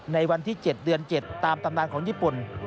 ในวันที่๗เดือน๗ตามตำนานของญี่ปุ่น